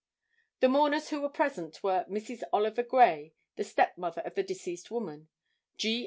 The mourners who were present were Mrs. Oliver Gray, the step mother of the deceased woman; G.